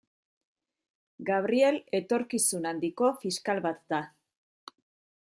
Gabriel etorkizun handiko fiskal bat da.